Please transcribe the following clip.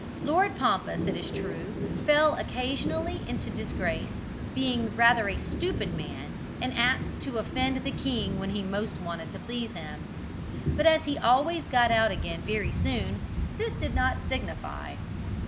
Lord Pompous, it is true, fell occasionally into disgrace, being rather a stupid man and apt to offend the king when he most wanted to please him. But as he always got out again very soon, this did not signify.